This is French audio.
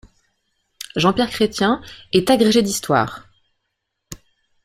Jean-Pierre Chrétien est agrégé d'histoire.